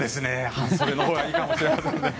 半袖のほうがいいかもしれませんね。